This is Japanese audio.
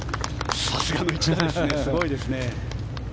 さすがの一打ですねすごいですね。